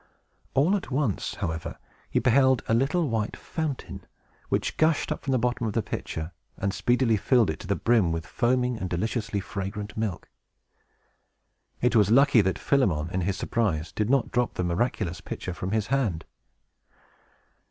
All at once, however, he beheld a little white fountain, which gushed up from the bottom of the pitcher, and speedily filled it to the brim with foaming and deliciously fragrant milk. It was lucky that Philemon, in his surprise, did not drop the miraculous pitcher from his hand.